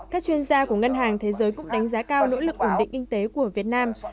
các chuyên gia của ngân hàng thế giới cũng đánh giá cao nỗ lực ổn định kinh tế của việt nam